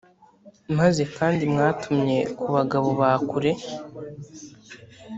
maze kandi mwatumye ku bagabo ba kure